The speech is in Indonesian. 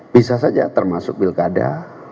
bisa saja termasuk pilkada